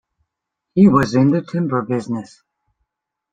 He was in the timber business.